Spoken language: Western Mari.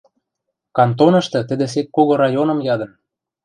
Кантонышты тӹдӹ сек кого районым ядын.